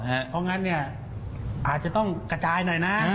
เพราะงั้นเนี่ยอาจจะต้องกระจายหน่อยนะ